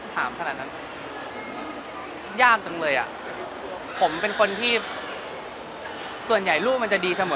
ขนาดนั้นยากจังเลยอ่ะผมเป็นคนที่ส่วนใหญ่ลูกมันจะดีเสมอ